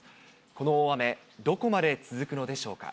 この大雨、どこまで続くのでしょうか。